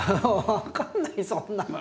分かんないそんなの。